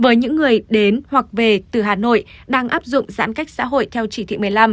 với những người đến hoặc về từ hà nội đang áp dụng giãn cách xã hội theo chỉ thị một mươi năm